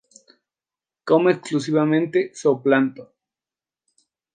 Come exclusivamente zooplancton.